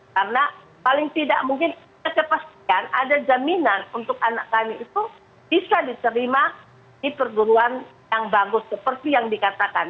karena paling tidak mungkin kita pastikan ada jaminan untuk anak kami itu bisa diterima di perguruan yang bagus seperti yang dikatakan